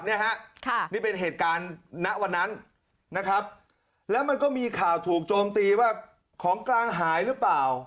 นี่ฮะนี่เป็นเหตุการณ์ณวันนั้นนะครับแล้วมันก็มีข่าวถูกโจมตีว่าของกลางหายหรือเปล่า